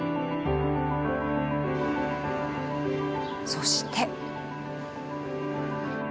そして。